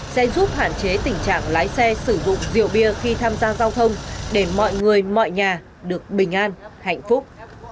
sẽ giúp hạn chế tình trạng lái xe sử dụng rượu bia khi tham gia giao thông để mọi người mọi nhà được bình an hạnh phúc